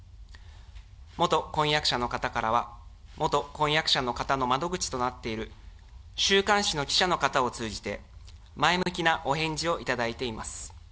元婚約者の方からは、元婚約者の方の窓口となっている週刊誌の記者の方を通じて、前向きなお返事を頂いています。